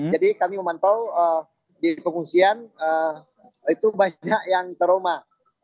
jadi kami memantau di pengungsian itu banyak yang teromah